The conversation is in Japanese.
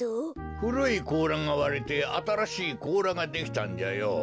ふるいこうらがわれてあたらしいこうらができたんじゃよ。